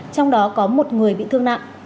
trong đó có một người bị thương nặng